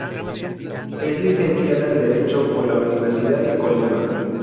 Es licenciada en Derecho por la Universidad de Colima.